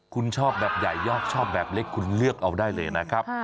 คุณชอบแบบใหญ่ยอกชอบแบบเล็กคุณเลือกเอาได้เลยนะครับ